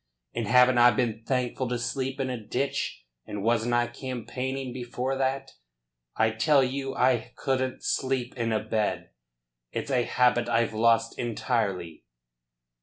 "And haven't I been thankful to sleep in a ditch? And wasn't I campaigning before that? I tell you I couldn't sleep in a bed. It's a habit I've lost entirely."